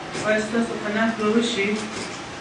ایا ستاسو قناعت به وشي؟